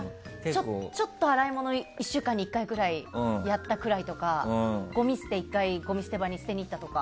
ちょっと洗い物１週間に１回やったぐらいとかごみ捨て１回ごみ捨て場に捨てにいったとか。